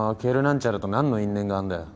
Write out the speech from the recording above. なんちゃらと何の因縁があんだよ？